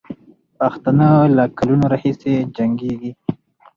پښتانه له کلونو راهیسې جنګېږي.